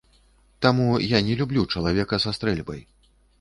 Таму я не люблю чалавека са стрэльбай.